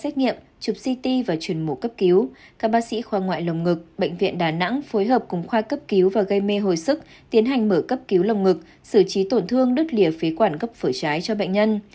trước đó bệnh viện đa nẵng phối hợp cùng khoa cấp cứu và gây mê hồi sức tiến hành mở cấp cứu lồng ngực xử trí tổn thương đứt lìa phế quản gốc phổi trái cho bệnh nhân